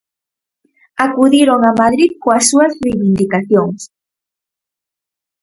Acudiron a Madrid coas súas reivindicacións.